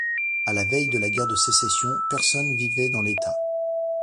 À la veille de la Guerre de Sécession, personnes vivaient dans l'État.